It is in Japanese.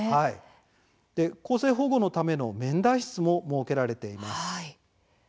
更生保護のための面談室も設けられています。